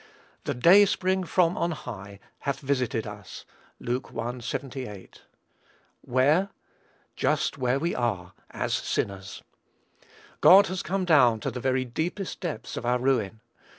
"The Day spring from on high hath visited us." (Luke i. 78.) Where? Just where we are, as sinners. God has come down to the very deepest depths of our ruin.